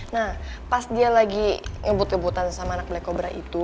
nah pas dia lagi ngebut ngebutan sama anak black cobra itu